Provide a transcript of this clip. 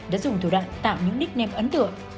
đã dùng thủ đoạn tạo những nickname ấn tượng